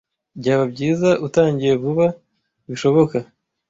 Byaba byiza utangiye vuba bishoboka.